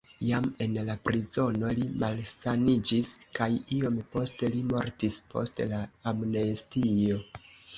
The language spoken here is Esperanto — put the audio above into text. Jam en la prizono li malsaniĝis kaj iom poste li mortis post la amnestio.